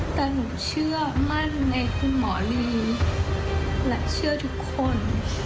แต่หนูเชื่อมั่นในคุณหมอลีและเชื่อทุกคน